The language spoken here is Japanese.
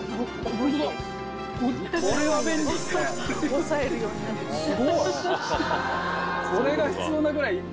押さえるようになってます。